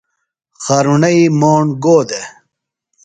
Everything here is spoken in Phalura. خارُݨئی موݨ گو دےۡ؟